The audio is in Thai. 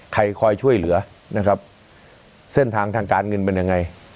คอยช่วยเหลือนะครับเส้นทางทางการเงินเป็นยังไง